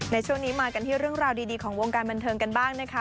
ในช่วงนี้มากันที่เรื่องราวดีของวงการบันเทิงกันบ้างนะคะ